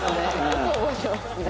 よく覚えてますね。